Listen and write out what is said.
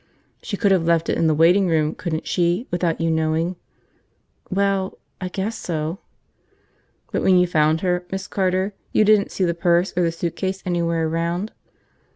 "She could have left it in the waiting room, couldn't she, without you knowing?" "Well – I guess so." "But when you found her, Miss Carter, you didn't see the purse or the suitcase anywhere around?"